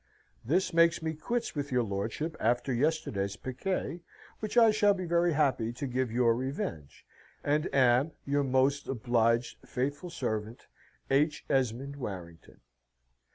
This makes me quitts with your lordship after yesterday's piquet, which I shall be very happy to give your revenge, and am Your most obliged, faithful servant, H. ESMOND WARRINGTON."